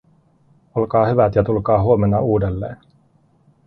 Olkaa hyvät ja tulkaa huomenna uudelleen."